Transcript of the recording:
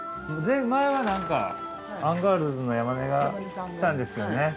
前はなんかアンガールズの山根が来たんですよね。